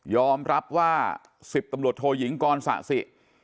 อมรับว่า๑๐ตำรวจโทยิงกรสะสิ